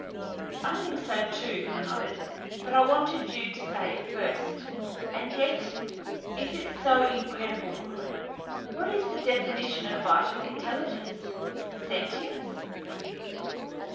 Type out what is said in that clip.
"I think so, too," he nodded; "but I wanted you to say it first. And yet is it so incredible, Goodwin? What is the definition of vital intelligence sentience?